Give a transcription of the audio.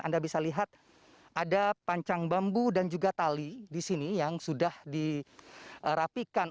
anda bisa lihat ada pancang bambu dan juga tali di sini yang sudah dirapikan